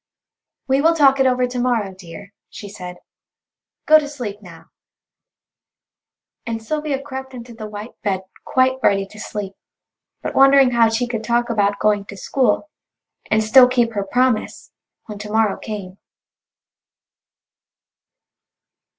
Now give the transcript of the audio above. "We will talk it over to morrow, dear," she said; "go to sleep now," and Sylvia crept into the white bed quite ready to sleep, but wondering how she could talk about going to school, and still keep her promise, when to morrow came.